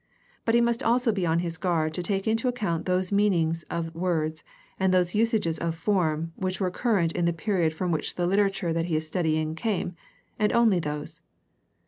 But he must also be on his guard to take into account those meanings of words and those usages of forms which were current in the period from which the Hterature that he is studying came, and only those.